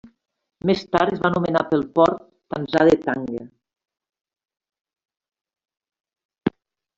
Més tard es va anomenar pel port tanzà de Tanga.